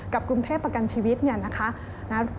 กับกรุงเทพประกันชีวิตนะคะ